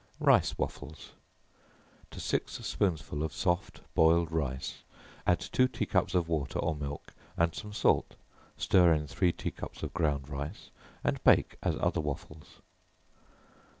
Rice Waffles. To six spoonsful of soft boiled rice, add two tea cups of water or milk, and some salt, stir in three tea cups of ground rice, and bake as other waffles.